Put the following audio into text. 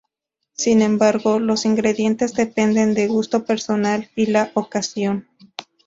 Sin embargo, los ingredientes dependen del gusto personal y la ocasión.